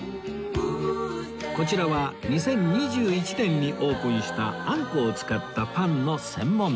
こちらは２０２１年にオープンしたあんこを使ったパンの専門店